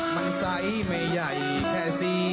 มันใสไม่ใหญ่แค่สี